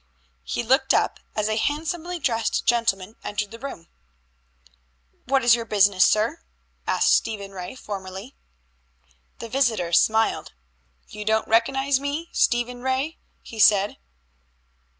He looked up as a handsomely dressed gentleman entered the room. "What is your business, sir?" asked Stephen Ray formally. The visitor smiled. "You don't recognize me, Stephen Ray?" he said.